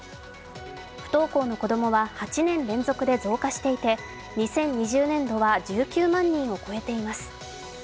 不登校の子供は８年連続で増加していて、２０２０年度は１９万人を超えています。